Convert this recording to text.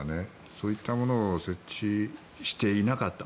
そういったものを設置していなかった。